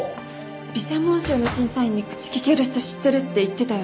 美写紋賞の審査員に口利ける人知ってるって言ってたよね？